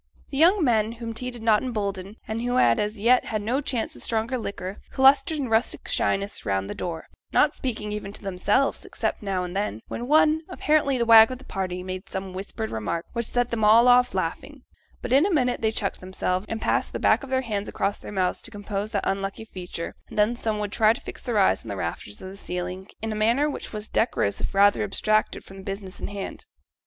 The young men, whom tea did not embolden, and who had as yet had no chance of stronger liquor, clustered in rustic shyness round the door, not speaking even to themselves, except now and then, when one, apparently the wag of the party, made some whispered remark, which set them all off laughing; but in a minute they checked themselves, and passed the back of their hands across their mouths to compose that unlucky feature, and then some would try to fix their eyes on the rafters of the ceiling, in a manner which was decorous if rather abstracted from the business in hand.